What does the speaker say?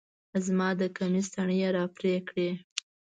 زما د کميس تڼۍ يې راپرې کړې